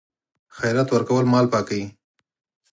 خیرات ورکول مال پاکوي.